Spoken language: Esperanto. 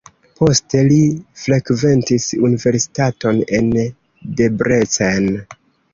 Poste li frekventis universitaton en Debrecen.